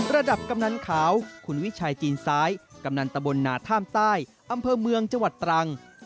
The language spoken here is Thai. กำนันขาวคุณวิชัยจีนซ้ายกำนันตะบลนาท่ามใต้อำเภอเมืองจังหวัดตรัง